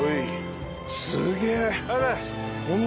すげえ。